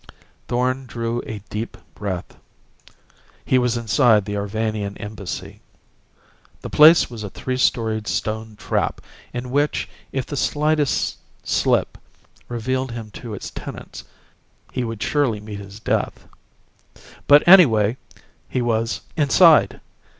Thorn drew a deep breath. He was inside the Arvanian Embassy. The place was a three storied stone trap in which, if the slightest slip revealed him to its tenants, he would surely meet his death. But, anyway, he was inside!